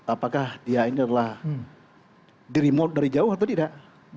apakah dia ini adalah di remote dari jauh atau tidak